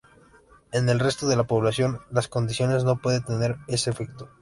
En el resto de la población, las condiciones no puede tener ese efecto.